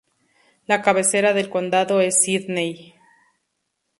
La cabecera del condado es Sidney.